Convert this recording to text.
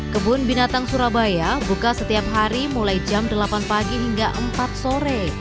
kebun binatang surabaya buka setiap hari mulai jam delapan pagi hingga empat sore